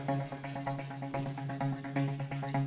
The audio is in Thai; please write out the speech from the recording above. ช่วยบอกได้ไหม